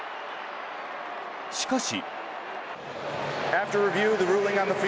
しかし。